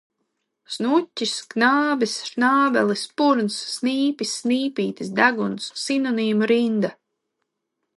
Snuķis, knābis, šnābelis, purns, snīpis, snīpītis, deguns. Sinonīmu rinda.